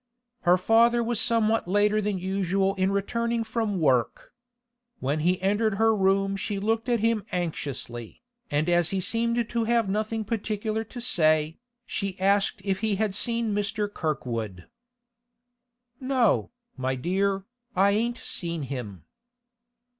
Her father was somewhat later than usual in returning from work. When he entered her room she looked at him anxiously, and as he seemed to have nothing particular to say, she asked if he had seen Mr. Kirkwood. 'No, my dear, I ain't seen him.